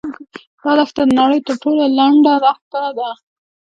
دا دښته د نړۍ تر ټولو لنډه دښته ده.